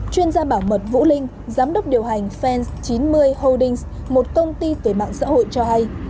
nhưng giám đốc điều hành fence chín mươi holdings một công ty về mạng xã hội cho hay